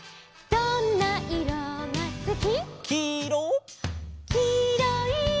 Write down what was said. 「どんないろがすき」「」